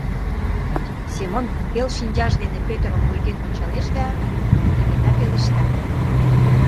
Семон пел шинчаж дене Пӧтырым мульген ончалеш да кенета пелешта: